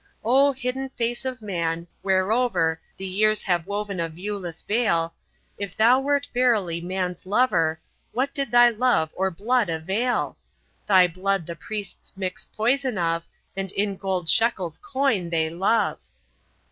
O hidden face of man, whereover The years have woven a viewless veil, If thou wert verily man's lover What did thy love or blood avail? Thy blood the priests mix poison of, And in gold shekels coin thy love.